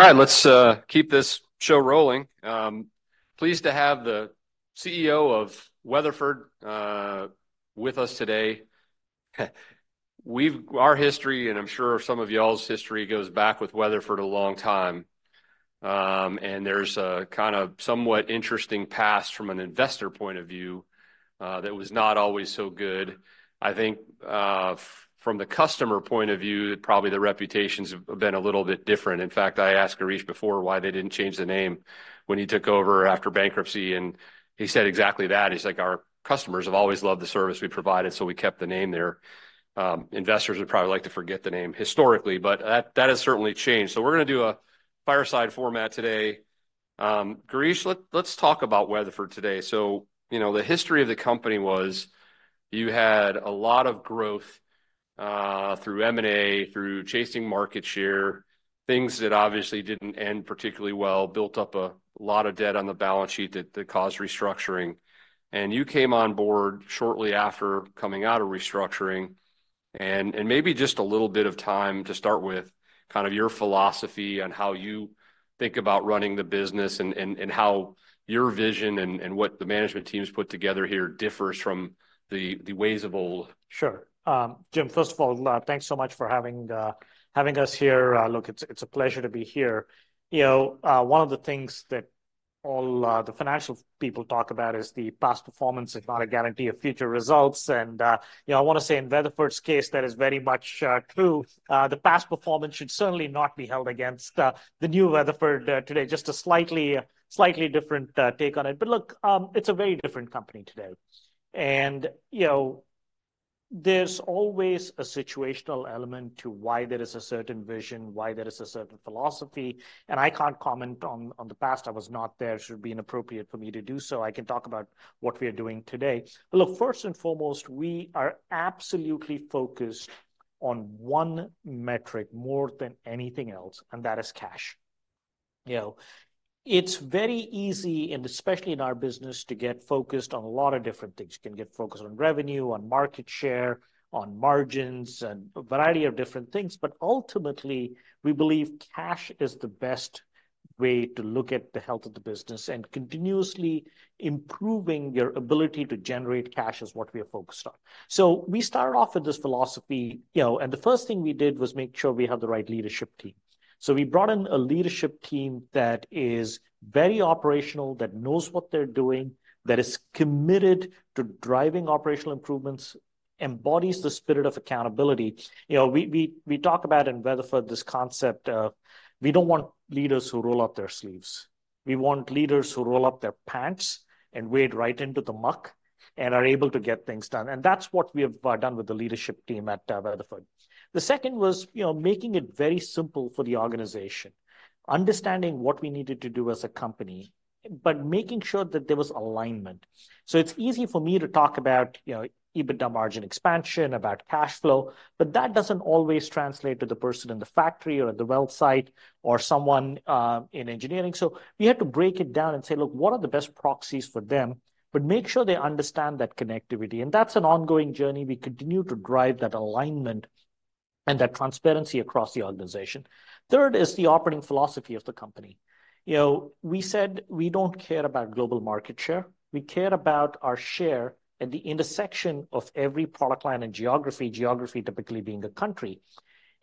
All right, let's keep this show rolling. Pleased to have the CEO of Weatherford with us today. We've our history, and I'm sure some of y'all's history goes back with Weatherford a long time. And there's kind of somewhat interesting past from an investor point of view that was not always so good. I think, from the customer point of view, probably the reputations have been a little bit different. In fact, I asked Girish before why they didn't change the name when he took over after bankruptcy, and he said exactly that. He's like, "Our customers have always loved the service we provided, so we kept the name there." Investors would probably like to forget the name historically, but that has certainly changed. So we're gonna do a fireside format today. Girish, let's talk about Weatherford today. So, you know, the history of the company was you had a lot of growth, through M&A, through chasing market share, things that obviously didn't end particularly well, built up a lot of debt on the balance sheet that caused restructuring. You came on board shortly after coming out of restructuring. And maybe just a little bit of time to start with kind of your philosophy on how you think about running the business and how your vision and what the management team's put together here differs from the ways of old. Sure. Jim, first of all, thanks so much for having us here. Look, it's a pleasure to be here. You know, one of the things that all the financial people talk about is the past performance is not a guarantee of future results. And, you know, I wanna say in Weatherford's case, that is very much true. The past performance should certainly not be held against the new Weatherford today, just a slightly different take on it. But look, it's a very different company today. And, you know, there's always a situational element to why there is a certain vision, why there is a certain philosophy. And I can't comment on the past. I was not there. It should be inappropriate for me to do so. I can talk about what we are doing today. But look, first and foremost, we are absolutely focused on one metric more than anything else, and that is cash. You know, it's very easy, and especially in our business, to get focused on a lot of different things. You can get focused on revenue, on market share, on margins, and a variety of different things. But ultimately, we believe cash is the best way to look at the health of the business and continuously improving your ability to generate cash is what we are focused on. So we started off with this philosophy, you know, and the first thing we did was make sure we have the right leadership team. So we brought in a leadership team that is very operational, that knows what they're doing, that is committed to driving operational improvements, embodies the spirit of accountability. You know, we talk about in Weatherford this concept of we don't want leaders who roll up their sleeves. We want leaders who roll up their pants and wade right into the muck and are able to get things done. And that's what we have done with the leadership team at Weatherford. The second was, you know, making it very simple for the organization, understanding what we needed to do as a company, but making sure that there was alignment. So it's easy for me to talk about, you know, EBITDA, margin expansion, about cash flow, but that doesn't always translate to the person in the factory or at the well site or someone in engineering. So we had to break it down and say, look, what are the best proxies for them, but make sure they understand that connectivity. And that's an ongoing journey. We continue to drive that alignment and that transparency across the organization. Third is the operating philosophy of the company. You know, we said we don't care about global market share. We care about our share at the intersection of every product line and geography, geography typically being a country.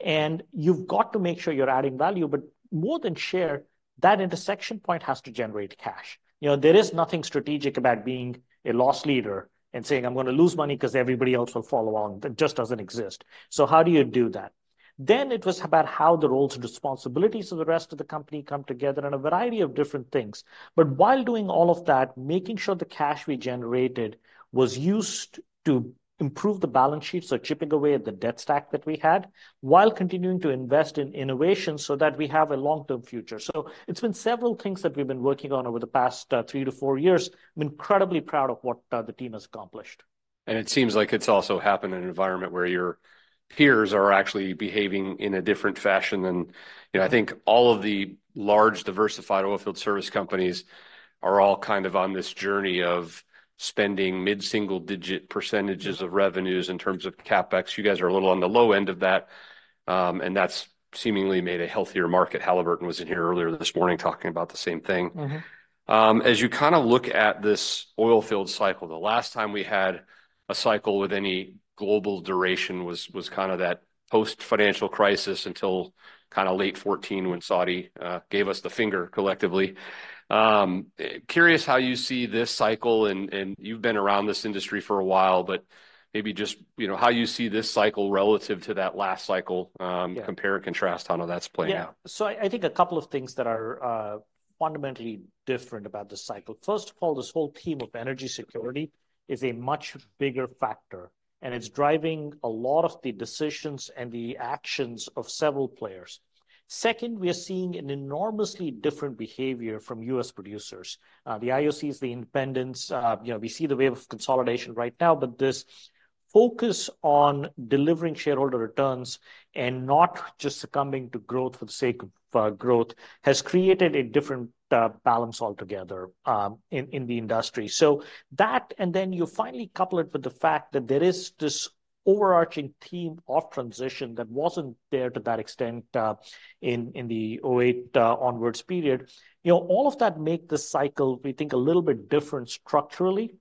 And you've got to make sure you're adding value, but more than share, that intersection point has to generate cash. You know, there is nothing strategic about being a loss leader and saying, I'm gonna lose money because everybody else will follow along. That just doesn't exist. So how do you do that? Then it was about how the roles and responsibilities of the rest of the company come together and a variety of different things. But while doing all of that, making sure the cash we generated was used to improve the balance sheet, so chipping away at the debt stack that we had, while continuing to invest in innovation so that we have a long-term future. So it's been several things that we've been working on over the past 3-4 years. I'm incredibly proud of what the team has accomplished. It seems like it's also happened in an environment where your peers are actually behaving in a different fashion than, you know, I think all of the large diversified oilfield service companies are all kind of on this journey of spending mid-single digit percentages of revenues in terms of CapEx. You guys are a little on the low end of that. And that's seemingly made a healthier market. Halliburton was in here earlier this morning talking about the same thing. As you kind of look at this oilfield cycle, the last time we had a cycle with any global duration was, was kind of that post-financial crisis until kind of late 2014 when Saudi gave us the finger collectively. Curious how you see this cycle and you've been around this industry for a while, but maybe just, you know, how you see this cycle relative to that last cycle, compare and contrast how that's playing out. Yeah. So I think a couple of things that are fundamentally different about this cycle. First of all, this whole theme of energy security is a much bigger factor, and it's driving a lot of the decisions and the actions of several players. Second, we are seeing an enormously different behavior from U.S. producers, the IOCs, the independents, you know, we see the wave of consolidation right now, but this focus on delivering shareholder returns and not just succumbing to growth for the sake of growth has created a different balance altogether in the industry. So that, and then you finally couple it with the fact that there is this overarching theme of transition that wasn't there to that extent in the 2008 onwards period. You know, all of that makes this cycle, we think, a little bit different structurally.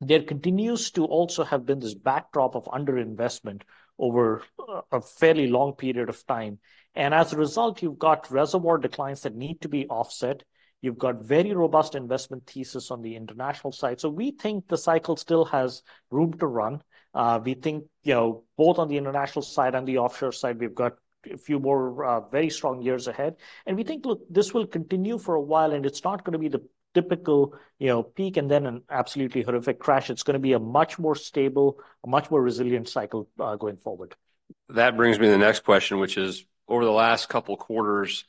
There continues to also have been this backdrop of underinvestment over a fairly long period of time. As a result, you've got reservoir declines that need to be offset. You've got very robust investment thesis on the international side. We think the cycle still has room to run. We think, you know, both on the international side and the offshore side, we've got a few more, very strong years ahead. We think, look, this will continue for a while, and it's not going to be the typical, you know, peak and then an absolutely horrific crash. It's going to be a much more stable, a much more resilient cycle, going forward. That brings me to the next question, which is over the last couple quarters,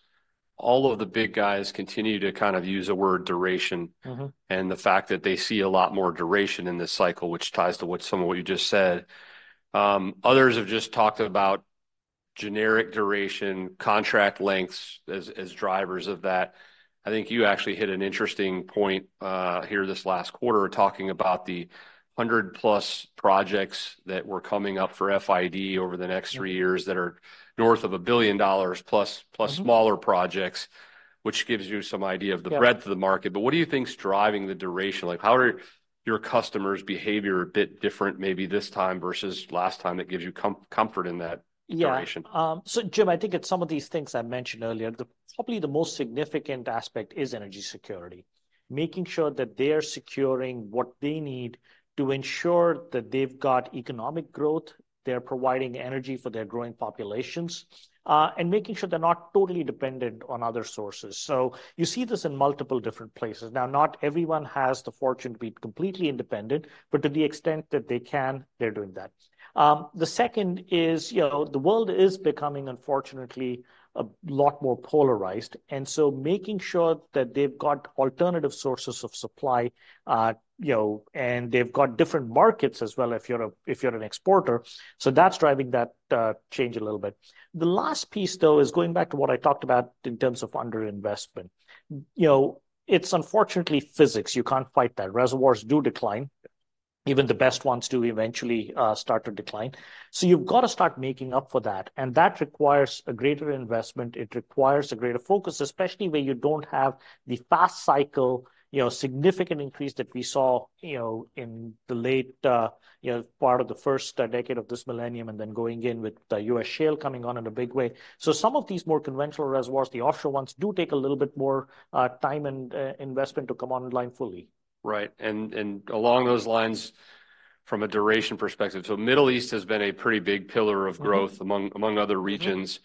all of the big guys continue to kind of use the word duration and the fact that they see a lot more duration in this cycle, which ties to what some of what you just said. Others have just talked about generic duration, contract lengths as, as drivers of that. I think you actually hit an interesting point, here this last quarter talking about the 100+ projects that were coming up for FID over the next three years that are north of $1 billion+, plus smaller projects, which gives you some idea of the breadth of the market. But what do you think's driving the duration? Like, how are your customers' behavior a bit different, maybe this time versus last time that gives you comfort in that duration? Yeah. So, Jim, I think it's some of these things I mentioned earlier. Probably the most significant aspect is energy security, making sure that they are securing what they need to ensure that they've got economic growth, they're providing energy for their growing populations, and making sure they're not totally dependent on other sources. So you see this in multiple different places. Now, not everyone has the fortune to be completely independent, but to the extent that they can, they're doing that. The second is, you know, the world is becoming, unfortunately, a lot more polarized. And so making sure that they've got alternative sources of supply, you know, and they've got different markets as well if you're an exporter. So that's driving that change a little bit. The last piece, though, is going back to what I talked about in terms of underinvestment. You know, it's unfortunately physics. You can't fight that. Reservoirs do decline. Even the best ones do eventually, start to decline. So you've got to start making up for that. And that requires a greater investment. It requires a greater focus, especially where you don't have the fast cycle, you know, significant increase that we saw, you know, in the late, you know, part of the first decade of this millennium and then going in with the U.S. Shale coming on in a big way. So some of these more conventional reservoirs, the offshore ones, do take a little bit more, time and, investment to come online fully. Right. And along those lines, from a duration perspective, so the Middle East has been a pretty big pillar of growth among other regions.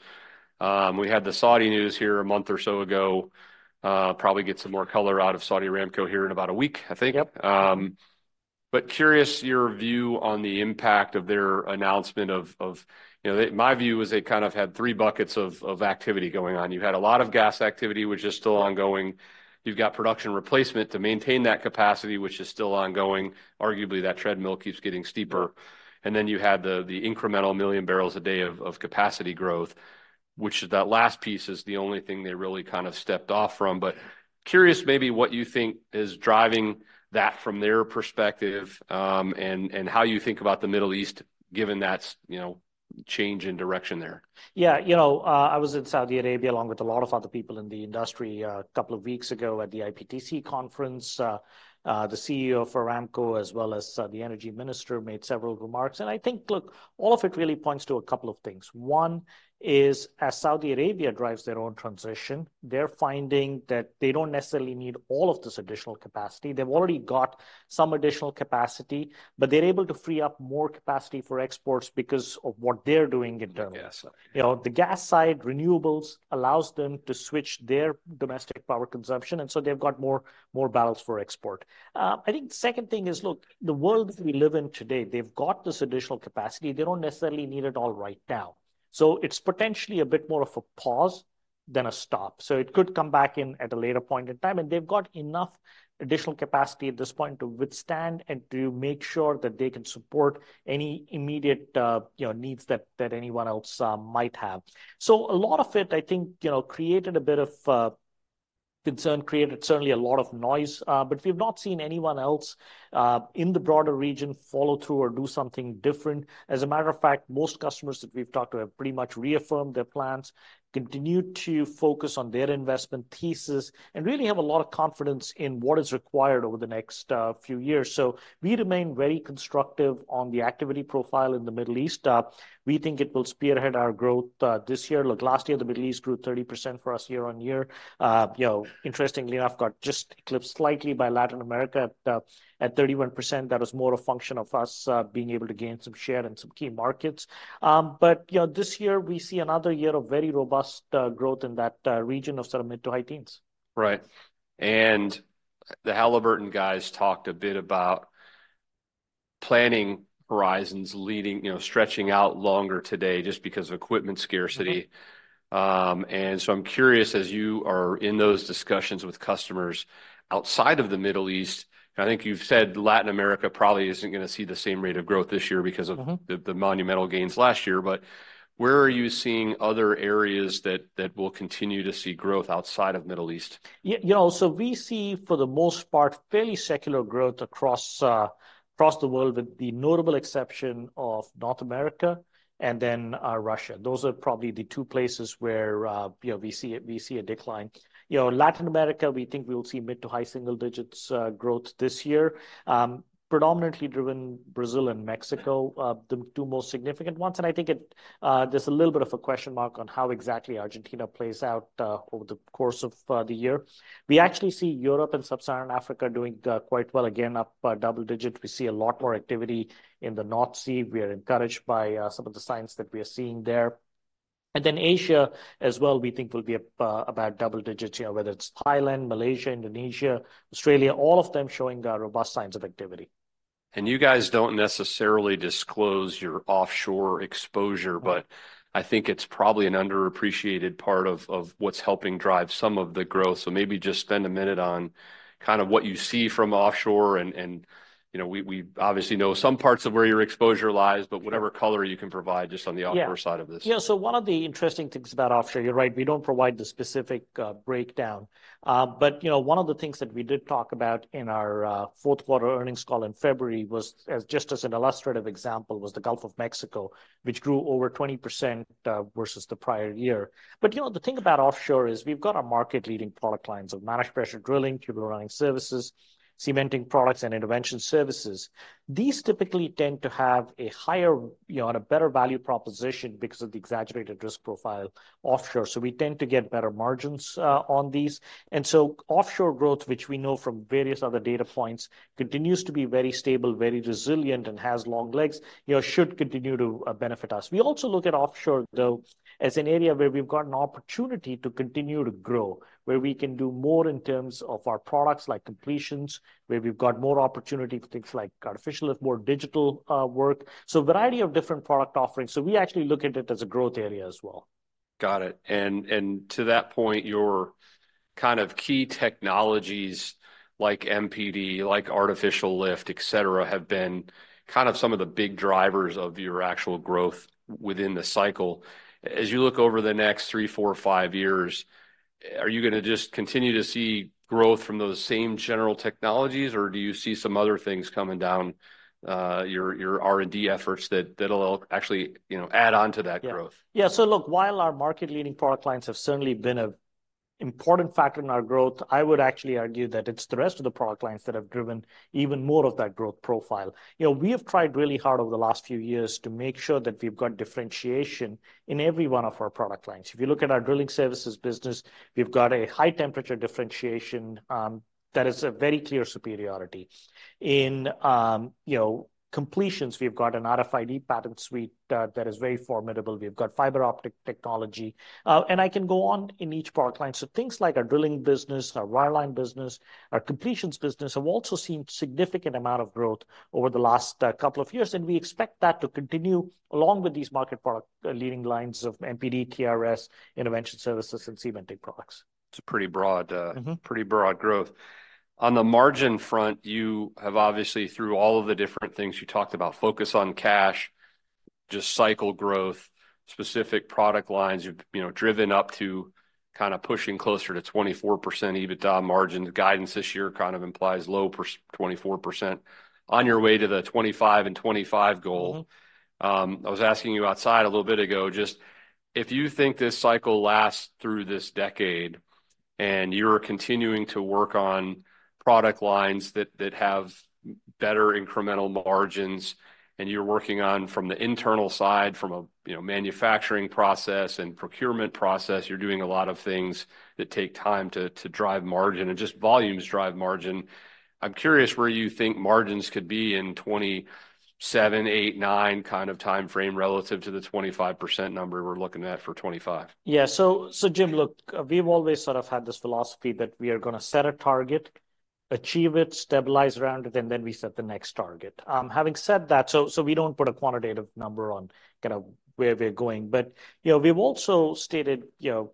We had the Saudi news here a month or so ago. Probably get some more color out of Saudi Aramco here in about a week, I think. But curious your view on the impact of their announcement of, you know, they, my view is they kind of had three buckets of activity going on. You had a lot of gas activity, which is still ongoing. You've got production replacement to maintain that capacity, which is still ongoing. Arguably, that treadmill keeps getting steeper. And then you had the incremental 1 million barrels a day of capacity growth, which that last piece is the only thing they really kind of stepped off from. But curious maybe what you think is driving that from their perspective, and how you think about the Middle East, given that, you know, change in direction there? Yeah, you know, I was in Saudi Arabia along with a lot of other people in the industry, a couple of weeks ago at the IPTC conference. The CEO for Aramco, as well as the energy minister, made several remarks. I think, look, all of it really points to a couple of things. One is, as Saudi Arabia drives their own transition, they're finding that they don't necessarily need all of this additional capacity. They've already got some additional capacity, but they're able to free up more capacity for exports because of what they're doing internally. You know, the gas side, renewables allows them to switch their domestic power consumption. And so they've got more, more barrels for export. I think the second thing is, look, the world that we live in today, they've got this additional capacity. They don't necessarily need it all right now. So it's potentially a bit more of a pause than a stop. So it could come back in at a later point in time. And they've got enough additional capacity at this point to withstand and to make sure that they can support any immediate, you know, needs that, that anyone else, might have. So a lot of it, I think, you know, created a bit of, concern, created certainly a lot of noise, but we've not seen anyone else, in the broader region follow through or do something different. As a matter of fact, most customers that we've talked to have pretty much reaffirmed their plans, continue to focus on their investment thesis, and really have a lot of confidence in what is required over the next, few years. So we remain very constructive on the activity profile in the Middle East. We think it will spearhead our growth this year. Look, last year, the Middle East grew 30% for us year-on-year. You know, interestingly enough, got just eclipsed slightly by Latin America at 31%. That was more a function of us being able to gain some share in some key markets. But you know, this year, we see another year of very robust growth in that region of sort of mid- to high teens. Right. And the Halliburton guys talked a bit about planning horizons leading, you know, stretching out longer today just because of equipment scarcity. And so I'm curious, as you are in those discussions with customers outside of the Middle East, and I think you've said Latin America probably isn't going to see the same rate of growth this year because of the monumental gains last year, but where are you seeing other areas that, that will continue to see growth outside of the Middle East? Yeah, you know, so we see for the most part fairly secular growth across the world with the notable exception of North America and then Russia. Those are probably the two places where, you know, we see it, we see a decline. You know, Latin America, we think we will see mid- to high-single-digits growth this year, predominantly driven Brazil and Mexico, the two most significant ones. And I think it, there's a little bit of a question mark on how exactly Argentina plays out over the course of the year. We actually see Europe and Sub-Saharan Africa doing quite well again, up double digits. We see a lot more activity in the North Sea. We are encouraged by some of the signs that we are seeing there. And then Asia as well, we think will be up, about double digits, you know, whether it's Thailand, Malaysia, Indonesia, Australia, all of them showing robust signs of activity. You guys don't necessarily disclose your offshore exposure, but I think it's probably an underappreciated part of what's helping drive some of the growth. So maybe just spend a minute on kind of what you see from offshore and, you know, we obviously know some parts of where your exposure lies, but whatever color you can provide just on the offshore side of this. Yeah. So one of the interesting things about offshore, you're right, we don't provide the specific breakdown. But you know, one of the things that we did talk about in our fourth quarter earnings call in February was, as just as an illustrative example, was the Gulf of Mexico, which grew over 20% versus the prior year. But you know, the thing about offshore is we've got our market-leading product lines of managed pressure drilling, tubular running services, cementing products, and intervention services. These typically tend to have a higher, you know, on a better value proposition because of the exaggerated risk profile offshore. So we tend to get better margins on these. And so offshore growth, which we know from various other data points, continues to be very stable, very resilient, and has long legs, you know, should continue to benefit us. We also look at offshore, though, as an area where we've got an opportunity to continue to grow, where we can do more in terms of our products like completions, where we've got more opportunity for things like artificial, if more digital, work. So a variety of different product offerings. So we actually look at it as a growth area as well. Got it. And to that point, your kind of key technologies like MPD, like artificial lift, etc, have been kind of some of the big drivers of your actual growth within the cycle. As you look over the next 3-5 years, are you going to just continue to see growth from those same general technologies, or do you see some other things coming down, your R&D efforts that'll actually, you know, add on to that growth? Yeah. So look, while our market-leading product lines have certainly been an important factor in our growth, I would actually argue that it's the rest of the product lines that have driven even more of that growth profile. You know, we have tried really hard over the last few years to make sure that we've got differentiation in every one of our product lines. If you look at our drilling services business, we've got a high-temperature differentiation that is a very clear superiority. In, you know, completions, we've got an RFID patent suite that is very formidable. We've got fiber-optic technology, and I can go on in each product line. So things like our drilling business, our wireline business, our completions business have also seen a significant amount of growth over the last couple of years. We expect that to continue along with these market product leading lines of MPD, TRS, intervention services, and cementing products. It's a pretty broad, pretty broad growth. On the margin front, you have obviously, through all of the different things you talked about, focus on cash, just cycle growth, specific product lines. You've, you know, driven up to kind of pushing closer to 24% EBITDA margin guidance this year, kind of implies low-24% on your way to the 25% and 2025 goal. I was asking you outside a little bit ago, just if you think this cycle lasts through this decade and you're continuing to work on product lines that have better incremental margins and you're working on from the internal side, from, you know, manufacturing process and procurement process, you're doing a lot of things that take time to drive margin and just volumes drive margin. I'm curious where you think margins could be in 2027, 2028, 2029 kind of timeframe relative to the 25% number we're looking at for 2025? Yeah. So, Jim, look, we've always sort of had this philosophy that we are going to set a target, achieve it, stabilize around it, and then we set the next target. Having said that, so we don't put a quantitative number on kind of where we're going, but, you know, we've also stated, you know,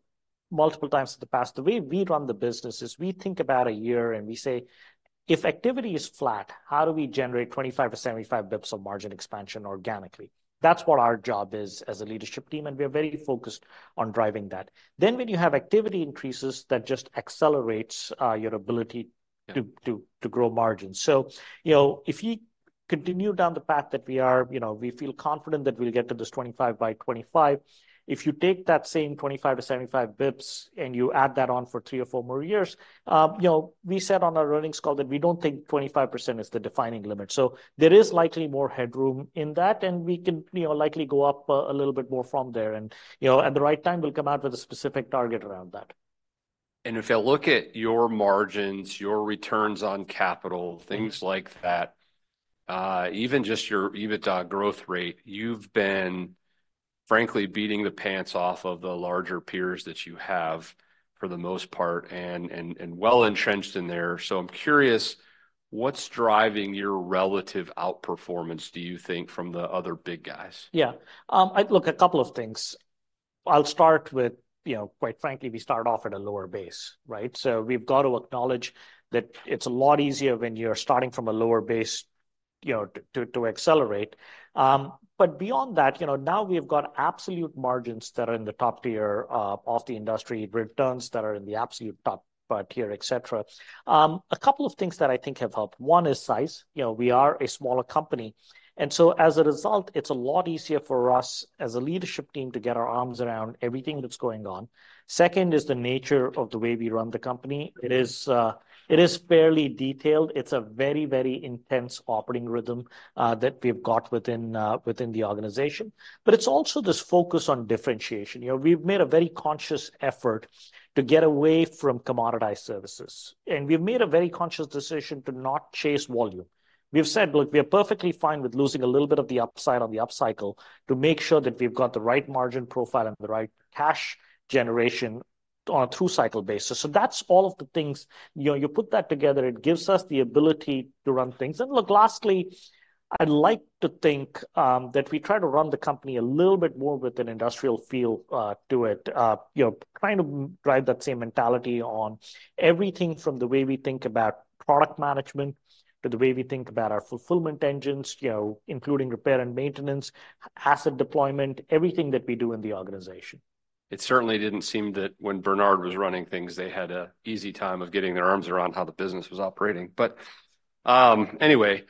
multiple times in the past, the way we run the business is we think about a year and we say, if activity is flat, how do we generate 25-75 basis points of margin expansion organically? That's what our job is as a leadership team. And we are very focused on driving that. Then when you have activity increases that just accelerates your ability to grow margins. You know, if you continue down the path that we are, you know, we feel confident that we'll get to this 25 by 2025. If you take that same 25-75 basis points and you add that on for three or four more years, you know, we said on our earnings call that we don't think 25% is the defining limit. So there is likely more headroom in that. And we can, you know, likely go up a little bit more from there. And, you know, at the right time, we'll come out with a specific target around that. If I look at your margins, your returns on capital, things like that, even just your EBITDA growth rate, you've been frankly beating the pants off of the larger peers that you have for the most part and well entrenched in there. So I'm curious, what's driving your relative outperformance, do you think, from the other big guys? Yeah. I look a couple of things. I'll start with, you know, quite frankly, we start off at a lower base, right? So we've got to acknowledge that it's a lot easier when you're starting from a lower base, you know, to accelerate. But beyond that, you know, now we've got absolute margins that are in the top tier of the industry, returns that are in the absolute top tier, etc. A couple of things that I think have helped. One is size. You know, we are a smaller company. And so as a result, it's a lot easier for us as a leadership team to get our arms around everything that's going on. Second is the nature of the way we run the company. It is, it is fairly detailed. It's a very, very intense operating rhythm that we've got within the organization. But it's also this focus on differentiation. You know, we've made a very conscious effort to get away from commoditized services. And we've made a very conscious decision to not chase volume. We've said, look, we are perfectly fine with losing a little bit of the upside on the upcycle to make sure that we've got the right margin profile and the right cash generation on a through cycle basis. So that's all of the things, you know, you put that together, it gives us the ability to run things. And look, lastly, I'd like to think that we try to run the company a little bit more with an industrial feel to it, you know, trying to drive that same mentality on everything from the way we think about product management to the way we think about our fulfillment engines, you know, including repair and maintenance, asset deployment, everything that we do in the organization. It certainly didn't seem that when Bernard was running things, they had an easy time of getting their arms around how the business was operating. But, anyway,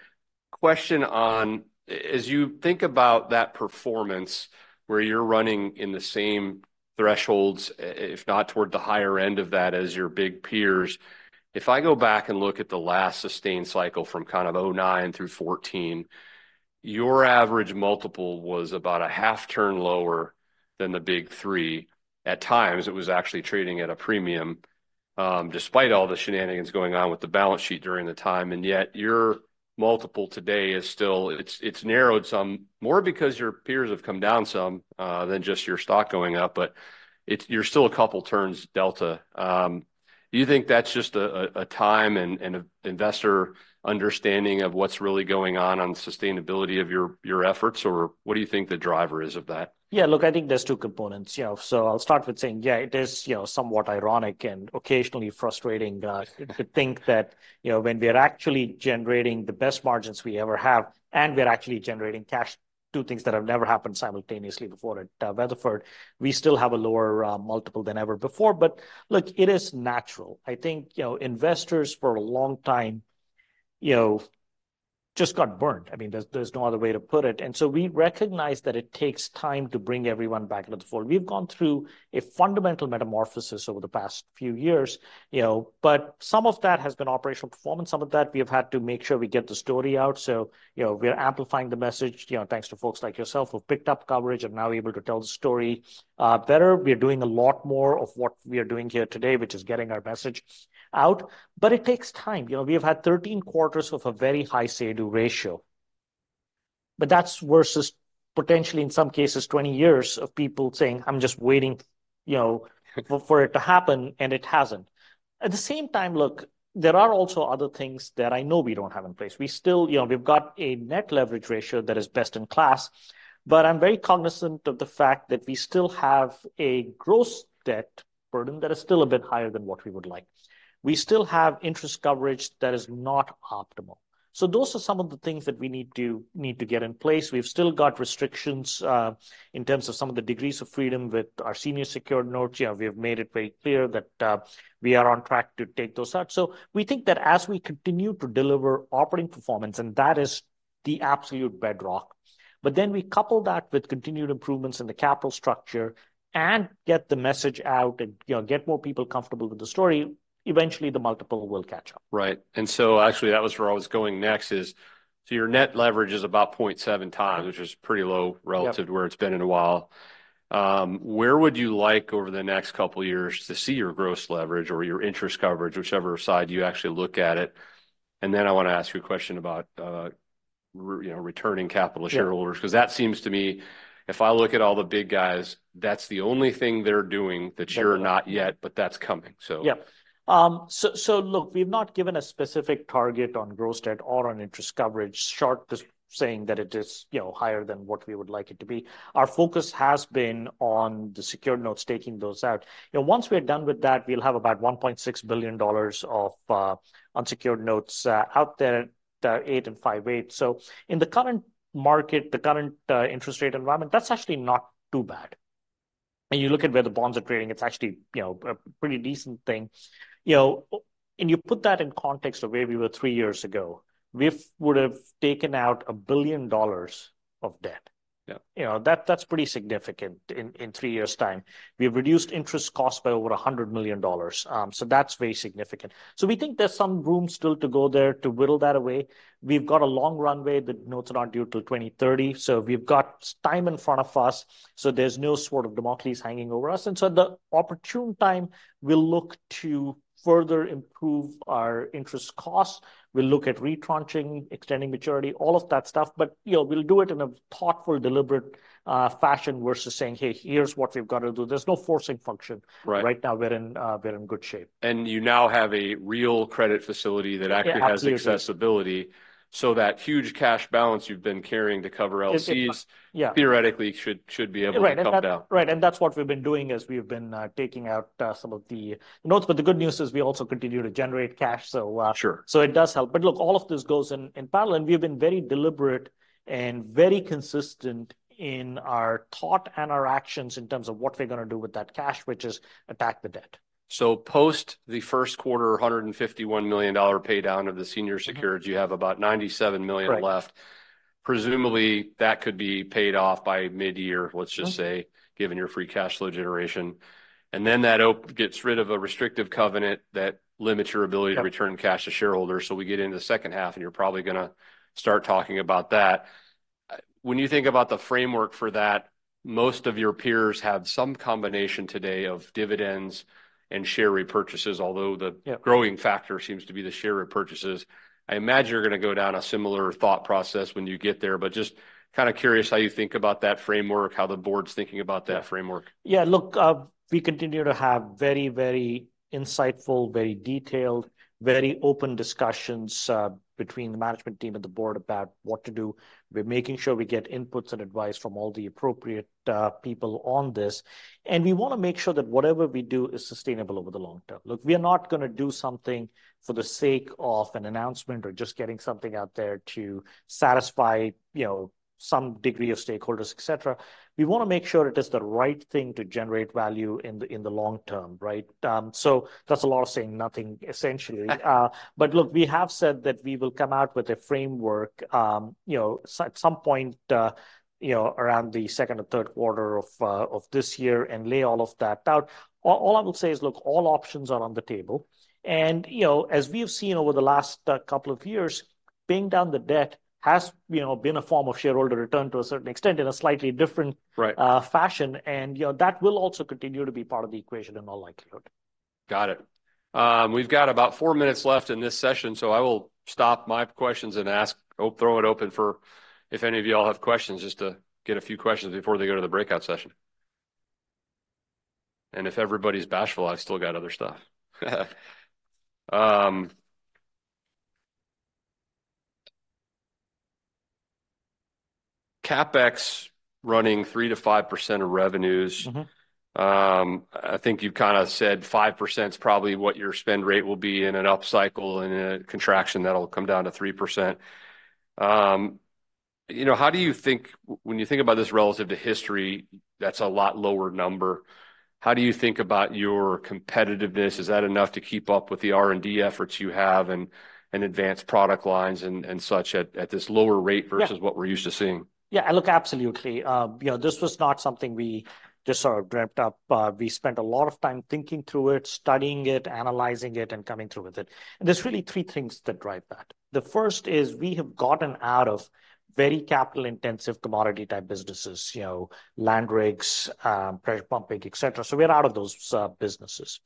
question on, as you think about that performance, where you're running in the same thresholds, if not toward the higher end of that as your big peers, if I go back and look at the last sustained cycle from kind of 2009 through 2014, your average multiple was about a half turn lower than the big three. At times, it was actually trading at a premium. Despite all the shenanigans going on with the balance sheet during the time, and yet your multiple today is still, it's, it's narrowed some more because your peers have come down some, than just your stock going up, but it's, you're still a couple turns delta. Do you think that's just a time and an investor understanding of what's really going on the sustainability of your efforts, or what do you think the driver is of that? Yeah, look, I think there's two components, you know, so I'll start with saying, yeah, it is, you know, somewhat ironic and occasionally frustrating, to think that, you know, when we are actually generating the best margins we ever have, and we're actually generating cash, two things that have never happened simultaneously before at Weatherford, we still have a lower multiple than ever before. But look, it is natural. I think, you know, investors for a long time, you know, just got burned. I mean, there's no other way to put it. And so we recognize that it takes time to bring everyone back into the fold. We've gone through a fundamental metamorphosis over the past few years, you know, but some of that has been operational performance. Some of that we have had to make sure we get the story out. So, you know, we're amplifying the message, you know, thanks to folks like yourself who have picked up coverage and now able to tell the story better. We're doing a lot more of what we are doing here today, which is getting our message out. But it takes time. You know, we have had 13 quarters of a very high say-do ratio. But that's versus potentially, in some cases, 20 years of people saying, I'm just waiting, you know, for it to happen, and it hasn't. At the same time, look, there are also other things that I know we don't have in place. We still, you know, we've got a net leverage ratio that is best in class, but I'm very cognizant of the fact that we still have a gross debt burden that is still a bit higher than what we would like. We still have interest coverage that is not optimal. So those are some of the things that we need to get in place. We've still got restrictions, in terms of some of the degrees of freedom with our senior secured notes. You know, we've made it very clear that we are on track to take those out. So we think that as we continue to deliver operating performance, and that is the absolute bedrock, but then we couple that with continued improvements in the capital structure and get the message out and, you know, get more people comfortable with the story, eventually the multiple will catch up. Right. And so actually that was where I was going next is, so your net leverage is about 0.7 times, which is pretty low relative to where it's been in a while. Where would you like over the next couple of years to see your gross leverage or your interest coverage, whichever side you actually look at it? And then I want to ask you a question about, you know, returning capital shareholders, because that seems to me, if I look at all the big guys, that's the only thing they're doing that you're not yet, but that's coming. So. Yeah, so look, we've not given a specific target on gross debt or on interest coverage, short of just saying that it is, you know, higher than what we would like it to be. Our focus has been on the secured notes, taking those out. You know, once we're done with that, we'll have about $1.6 billion of unsecured notes out there, 8% and 5% rates. So in the current market, the current interest rate environment, that's actually not too bad. And you look at where the bonds are trading, it's actually, you know, a pretty decent thing. You know, and you put that in context of where we were three years ago, we would have taken out $1 billion of debt. Yeah, you know, that, that's pretty significant in three years' time. We've reduced interest costs by over $100 million, so that's very significant. So we think there's some room still to go there to whittle that away. We've got a long runway. The notes are not due till 2030. So we've got time in front of us. So there's no Sword of Damocles hanging over us. And so at the opportune time, we'll look to further improve our interest costs. We'll look at re-tranching, extending maturity, all of that stuff. But, you know, we'll do it in a thoughtful, deliberate, fashion versus saying, hey, here's what we've got to do. There's no forcing function. Right now, we're in good shape. You now have a real credit facility that actually has accessibility. That huge cash balance you've been carrying to cover LCs theoretically should be able to come down. Right. And that's what we've been doing as we've been taking out some of the notes. But the good news is we also continue to generate cash. So, so it does help. But look, all of this goes in, in parallel. And we've been very deliberate and very consistent in our thought and our actions in terms of what we're going to do with that cash, which is attack the debt. So post the first quarter, $151 million paydown of the senior secureds, you have about $97 million left. Presumably that could be paid off by mid-year, let's just say, given your free cash flow generation. And then that gets rid of a restrictive covenant that limits your ability to return cash to shareholders. So we get into the second half and you're probably going to start talking about that. When you think about the framework for that, most of your peers have some combination today of dividends and share repurchases, although the growing factor seems to be the share repurchases. I imagine you're going to go down a similar thought process when you get there, but just kind of curious how you think about that framework, how the board's thinking about that framework. Yeah, look, we continue to have very, very insightful, very detailed, very open discussions between the management team and the board about what to do. We're making sure we get inputs and advice from all the appropriate people on this. And we want to make sure that whatever we do is sustainable over the long term. Look, we are not going to do something for the sake of an announcement or just getting something out there to satisfy, you know, some degree of stakeholders, etc. We want to make sure it is the right thing to generate value in the long term, right? So that's a lot of saying nothing, essentially. But look, we have said that we will come out with a framework, you know, at some point, you know, around the second or third quarter of this year and lay all of that out. All I will say is, look, all options are on the table. And, you know, as we've seen over the last couple of years, paying down the debt has, you know, been a form of shareholder return to a certain extent in a slightly different, fashion. And, you know, that will also continue to be part of the equation in all likelihood. Got it. We've got about 4 minutes left in this session, so I will stop my questions and ask, hope, throw it open for if any of y'all have questions, just to get a few questions before they go to the breakout session. If everybody's bashful, I've still got other stuff. CapEx running 3%-5% of revenues. I think you've kind of said 5%'s probably what your spend rate will be in an upcycle and in a contraction that'll come down to 3%. You know, how do you think when you think about this relative to history, that's a lot lower number? How do you think about your competitiveness? Is that enough to keep up with the R&D efforts you have and, and advanced product lines and, and such at, at this lower rate versus what we're used to seeing? Yeah, look, absolutely. You know, this was not something we just sort of dreamt up. We spent a lot of time thinking through it, studying it, analyzing it, and coming through with it. And there's really three things that drive that. The first is we have gotten out of very capital intensive commodity type businesses, you know, land rigs, pressure pumping, etc. So we're out of those businesses.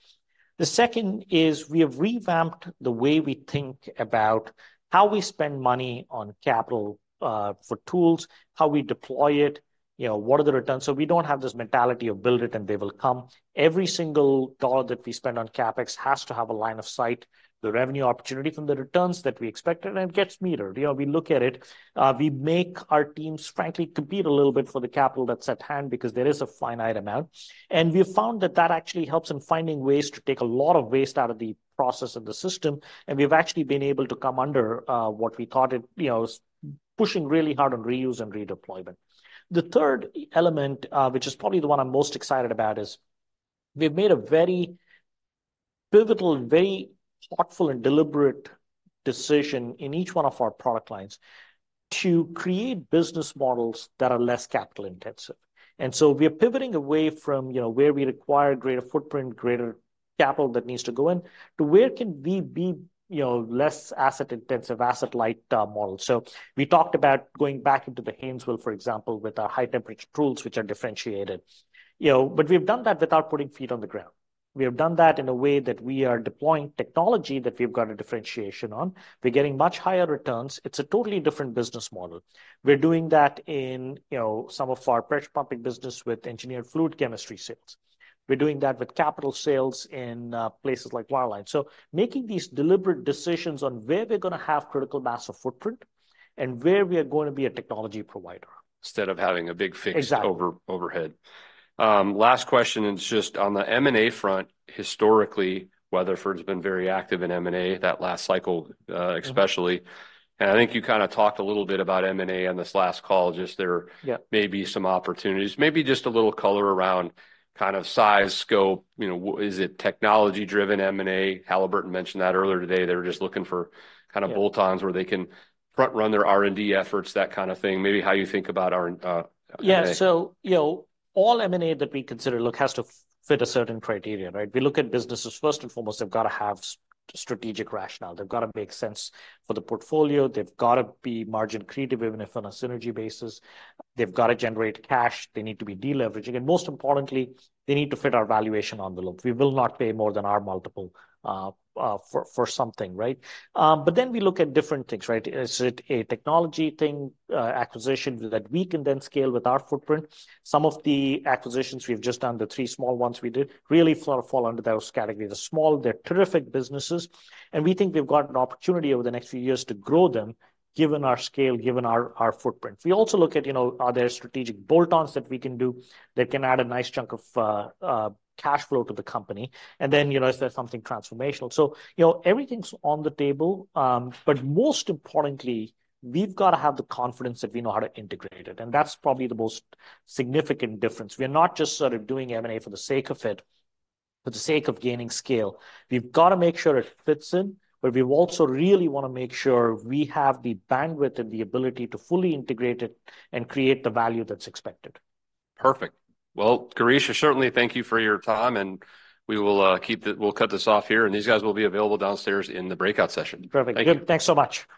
The second is we have revamped the way we think about how we spend money on capital for tools, how we deploy it, you know, what are the returns. So we don't have this mentality of build it and they will come. Every single dollar that we spend on CapEx has to have a line of sight, the revenue opportunity from the returns that we expected, and it gets metered. You know, we look at it. We make our teams, frankly, compete a little bit for the capital that's at hand because there is a finite amount. And we've found that that actually helps in finding ways to take a lot of waste out of the process of the system. And we've actually been able to come under, what we thought it, you know, pushing really hard on reuse and redeployment. The third element, which is probably the one I'm most excited about, is we've made a very pivotal, very thoughtful and deliberate decision in each one of our product lines to create business models that are less capital intensive. And so we are pivoting away from, you know, where we require greater footprint, greater capital that needs to go in to where can we be, you know, less asset intensive, asset light, model. So we talked about going back into the Haynesville, for example, with our high temperature tools, which are differentiated, you know, but we've done that without putting feet on the ground. We have done that in a way that we are deploying technology that we've got a differentiation on. We're getting much higher returns. It's a totally different business model. We're doing that in, you know, some of our pressure pumping business with engineered fluid chemistry sales. We're doing that with capital sales in places like wireline. So making these deliberate decisions on where we're going to have critical mass of footprint and where we are going to be a technology provider. Instead of having a big fixed overhead. Last question is just on the M&A front. Historically, Weatherford has been very active in M&A that last cycle, especially. And I think you kind of talked a little bit about M&A on this last call, just there may be some opportunities. Maybe just a little color around kind of size, scope, you know, is it technology-driven M&A? Halliburton mentioned that earlier today. They were just looking for kind of bolt-ons where they can front-run their R&D efforts, that kind of thing. Maybe how you think about our, yeah. So, you know, all M&A that we consider, look, has to fit a certain criteria, right? We look at businesses first and foremost, they've got to have strategic rationale. They've got to make sense for the portfolio. They've got to be margin creative even if on a synergy basis. They've got to generate cash. They need to be deleveraging. And most importantly, they need to fit our valuation on the loop. We will not pay more than our multiple, for, for something, right? But then we look at different things, right? Is it a technology thing, acquisition that we can then scale with our footprint? Some of the acquisitions we've just done, the three small ones we did really sort of fall under those categories. The small, they're terrific businesses. We think we've got an opportunity over the next few years to grow them, given our scale, given our footprint. We also look at, you know, are there strategic bolt-ons that we can do that can add a nice chunk of cash flow to the company? And then, you know, is there something transformational? So, you know, everything's on the table. But most importantly, we've got to have the confidence that we know how to integrate it. And that's probably the most significant difference. We're not just sort of doing M&A for the sake of it, for the sake of gaining scale. We've got to make sure it fits in, but we also really want to make sure we have the bandwidth and the ability to fully integrate it and create the value that's expected. Perfect. Well, Girish, certainly thank you for your time. And we'll cut this off here and these guys will be available downstairs in the breakout session. Perfect. Good. Thanks so much.